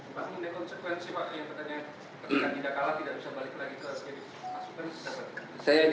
pak ada konsekuensi apa yang terjadi